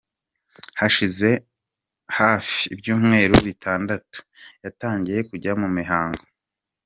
Hashize hafi ibyumweru bitandatu, yatangiye kujya mu mihango.